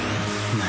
何！？